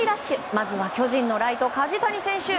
まずは巨人のライト、梶谷選手。